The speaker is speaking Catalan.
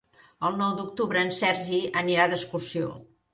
El nou d'octubre en Sergi anirà d'excursió.